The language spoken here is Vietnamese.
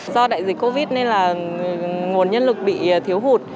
do đại dịch covid nên là nguồn nhân lực bị thiếu hụt